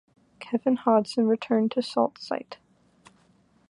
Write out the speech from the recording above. Kevin Hodson returned to Sault Ste.